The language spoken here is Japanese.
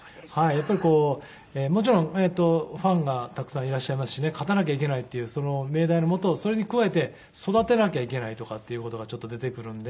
やっぱりこうもちろんファンがたくさんいらっしゃいますしね勝たなきゃいけないっていう命題のもとそれに加えて育てなきゃいけないとかっていう事がちょっと出てくるんで。